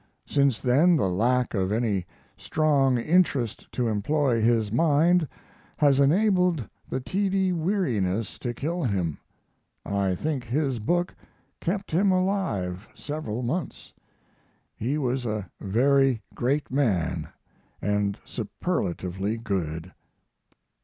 Since then the lack of any strong interest to employ his mind has enabled the tedious weariness to kill him. I think his book kept him alive several months. He was a very great man and superlatively good.